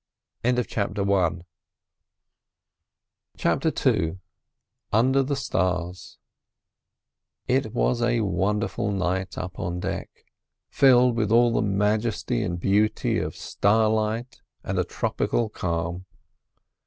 CHAPTER II UNDER THE STARS It was a wonderful night up on deck, filled with all the majesty and beauty of starlight and a tropic calm.